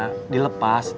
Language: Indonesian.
kalau wahana dilepas